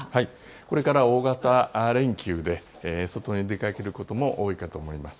これから大型連休で、外に出かけることも多いかと思います。